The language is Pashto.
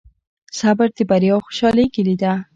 صبر د بریا او خوشحالۍ کیلي ده.